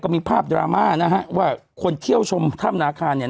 มีภาพดราม่านะฮะว่าคนเที่ยวชมถ้ำนาคารเนี่ย